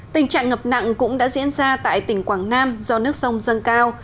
tình trạng ngập nặng cũng đã diễn ra tại tỉnh quảng nam do nước sông dâng cao